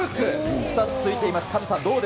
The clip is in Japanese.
２つ続いています。